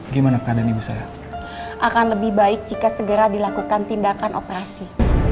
gimana keadaan ibu saya akan lebih baik jika segera dilakukan tindakan operasi